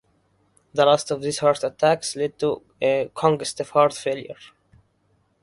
The last of these heart attacks led to congestive heart failure.